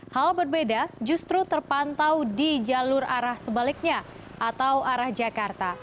hal berbeda justru terpantau di jalur arah sebaliknya atau arah jakarta